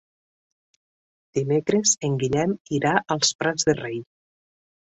Dimecres en Guillem irà als Prats de Rei.